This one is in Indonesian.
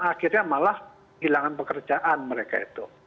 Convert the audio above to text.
akhirnya malah hilangkan pekerjaan mereka itu